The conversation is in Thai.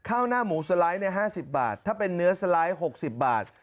ข้าวหน้าหมูสไลด์๕๐บาทถ้าเป็นเนื้อสไลด์๖๐บาท